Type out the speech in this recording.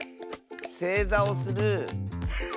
せいざをする。